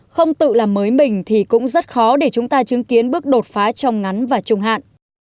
không tự làm mới mình thì cũng rất khó để chúng ta chứng kiến bước đột phá trong ngắn và trung hạn